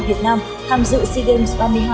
việt nam tham dự sea games ba mươi hai